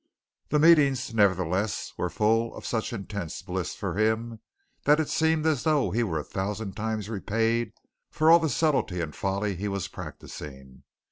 The meetings nevertheless were full of such intense bliss for him that it seemed as though he were a thousand times repaid for all the subtlety and folly he was practicing.